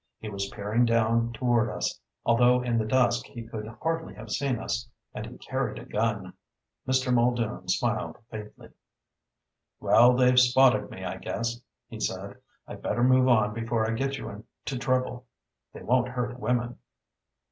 He was peering down toward us, although in the dusk he could hardly have seen us, and he carried a gun. Mr. Muldoon smiled faintly. "Well, they've spotted me, I guess," he said. "I'd better move on before I get you into trouble. They won't hurt women."